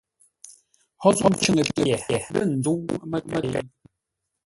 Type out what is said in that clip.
Hó zə̂u cʉ́ŋə pye lə̂ nzə́u məkei?